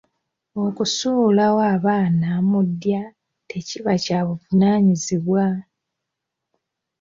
Okusuulawo abaana mu ddya tekiba kya buvunaanyizibwa